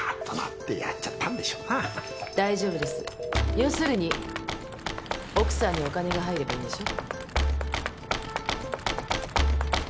要するに奥さんにお金が入ればいいんでしょ？